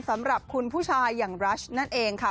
สำหรับคุณผู้ชายอย่างรัชนั่นเองค่ะ